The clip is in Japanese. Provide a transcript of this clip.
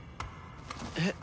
えっ？